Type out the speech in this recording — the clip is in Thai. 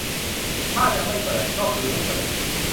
ถ้าจะไม่เปิด ก็คือไม่เปิด